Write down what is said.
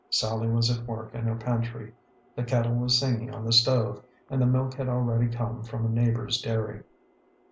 Sallie was at work in her pantry. The kettle was singing on the stove, and the milk had already come from a neighbor's dairy.